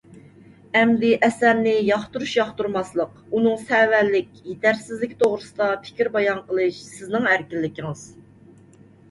ئەمدى ئەسەرنى ياقتۇرۇش – ياقتۇرماسلىق، ئۇنىڭ سەۋەنلىك، يېتەرسىزلىكى توغرىسىدا پىكىر بايان قىلىش سىزنىڭ ئەركىنلىكىڭىز.